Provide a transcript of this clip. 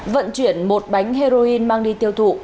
vận chuyển một bánh heroin mang đi tiêu thụ